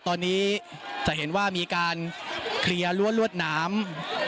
ตอนนี้จะเห็นว่ามีการเคลียร์รั้วรวดน้ำ